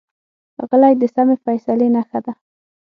غلی، د سمې فیصلې نښه ده.